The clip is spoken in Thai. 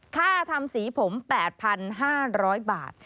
ค่าทำสีผม๘๕๐๐บาท